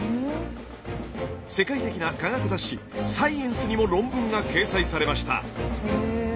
世界的な科学雑誌「Ｓｃｉｅｎｃｅ」にも論文が掲載されました。